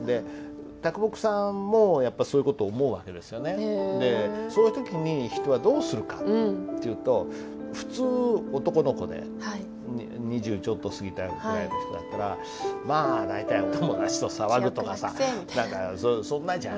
「偉いなぁ」とでそういう時に人はどうするかっていうと普通男の子で２０ちょっと過ぎたぐらいの人だったらまあ大体お友達と騒ぐとかさそんなじゃん。